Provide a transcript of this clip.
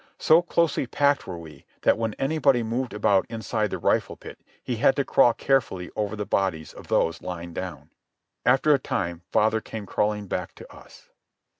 So closely packed were we that when anybody moved about inside the rifle pit he had to crawl carefully over the bodies of those lying down. After a time father came crawling back to us.